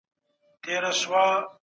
ثنا ډيره شوخه ده